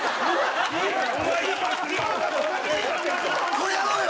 これやろうよ！